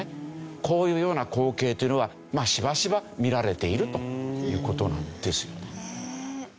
こういうような光景っていうのはしばしば見られているという事なんですよね。